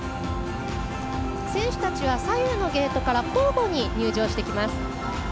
選手たちは左右のゲートから交互に入場してきます。